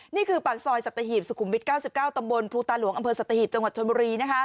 นี่คือปากซอยสัตหีบสุขุมวิท๙๙ตำบลภูตาหลวงอำเภอสัตหีบจังหวัดชนบุรี